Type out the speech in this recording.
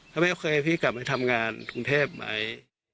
ถ้าไม่โอเคพี่กลับมาทำงานถุงเทพไหม